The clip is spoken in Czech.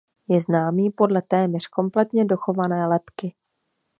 Je známý podle téměř kompletně dochované lebky.